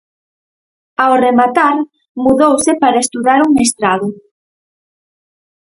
Ao rematar, mudouse para estudar un mestrado.